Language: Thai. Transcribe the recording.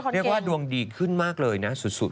เรียกว่าดวงดีขึ้นมากเลยนะสุด